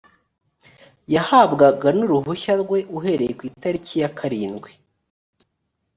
yahabwaga n uruhushya rwe uhereye ku itariki ya karindwi